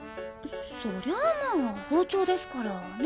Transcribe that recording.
そりゃまあ包丁ですからね。